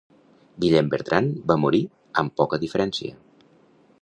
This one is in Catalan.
Guillem Bertran va morir amb poca diferència.